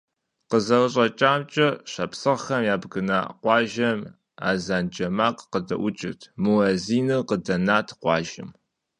КъызэрыщӀэкӀамкӀэ, шапсыгъхэм ябгына къуажэм азэн джэ макъ къыдэӀукӀырт – муӀэзиныр къыдэнат къуажэм.